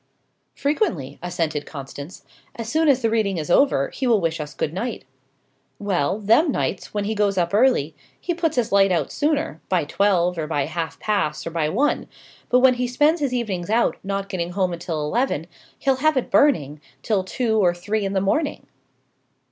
"Frequently," assented Constance. "As soon as the reading is over, he will wish us good night." "Well, them nights, when he goes up early, he puts his light out sooner by twelve, or by half past, or by one; but when he spends his evenings out, not getting home until eleven, he'll have it burning till two or three in the morning."